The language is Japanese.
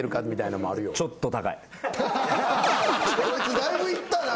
こいつだいぶいったな。